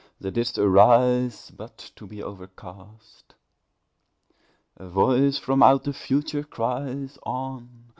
that didst arise But to be overcast! A voice from out the future cries, "On!